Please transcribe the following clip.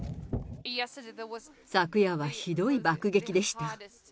昨夜はひどい爆撃でした。